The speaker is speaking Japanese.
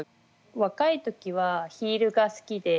若い時はヒールが好きで。